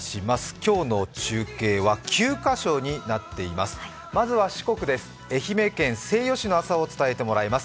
今日の中継は９カ所になっています。